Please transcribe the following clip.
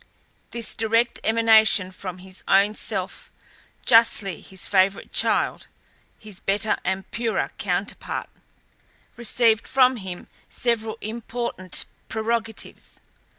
This direct emanation from his own self, justly his favourite child, his better and purer counterpart, received from him several important prerogatives.